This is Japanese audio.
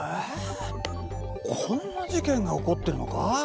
こんな事件が起こってるのか。